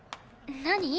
何？